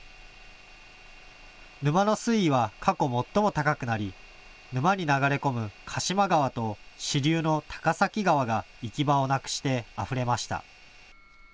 沼の水位は過去最も高くなり沼に流れ込む鹿島川と支流の高崎川が行き場をなくしてあふれました。